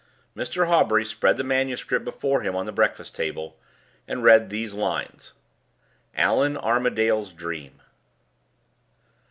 Mr. Hawbury spread the manuscript before him on the breakfast table, and read these lines: "ALLAN ARMADALE'S DREAM.